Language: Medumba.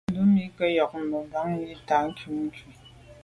Ndù me ke jun mbumngab yi t’a kum nkù.